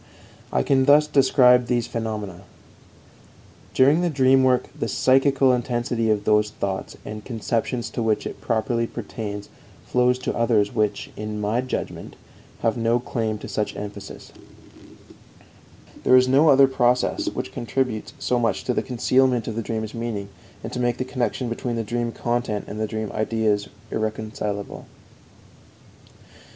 I can thus describe these phenomena: _During the dream work the psychical intensity of those thoughts and conceptions to which it properly pertains flows to others which, in my judgment, have no claim to such emphasis_. There is no other process which contributes so much to concealment of the dream's meaning and to make the connection between the dream content and dream ideas irrecognizable.